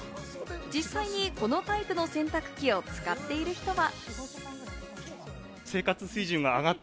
実際にこのタイプの洗濯機を使っている人は。